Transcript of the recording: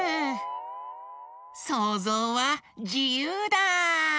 そうぞうはじゆうだ！